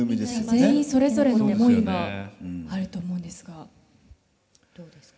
全員それぞれの思いがあると思うんですがどうですか。